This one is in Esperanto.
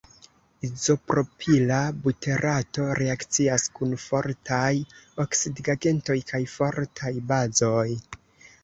Izopropila buterato reakcias kun fortaj oksidigagentoj kaj fortaj bazoj.